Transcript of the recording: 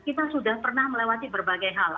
kita sudah pernah melewati berbagai hal